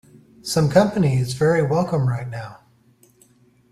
Some company is very welcome right now.